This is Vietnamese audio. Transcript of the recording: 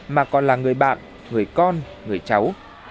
mà còn là người bạn người con người cháu